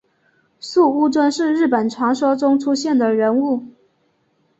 素呜尊是日本传说中出现的人物。